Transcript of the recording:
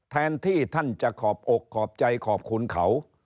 แทนที่ท่านจะขอบอกขอบใจขอบคุณเขา